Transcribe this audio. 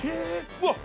うわっ！